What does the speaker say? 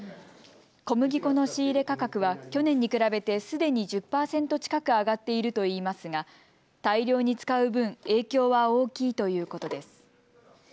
小麦粉の仕入れ価格は去年に比べて、すでに１０％近く上がっているといいますが大量に使う分、影響は大きいということです。